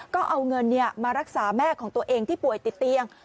ก็เอาเงินมารักษาแม่ของตัวเองที่ป่วยติดเตียง